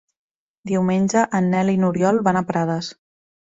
Diumenge en Nel i n'Oriol van a Prades.